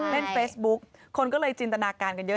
เล่นเฟซบุ๊กคนก็เลยจินตนาการกันเยอะ